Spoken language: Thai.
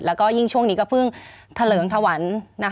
แล้วก็ยิ่งช่วงนี้ก็เพิ่งเถลิงถวัน